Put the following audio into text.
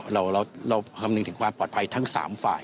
เราคำนึงถึงความปลอดภัยทั้ง๓ฝ่าย